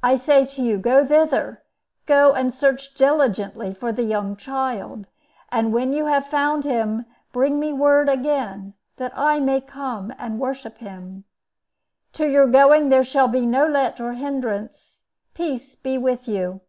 I say to you, go thither; go and search diligently for the young child; and when you have found him bring me word again, that I may come and worship him. To your going there shall be no let or hindrance. Peace be with you!"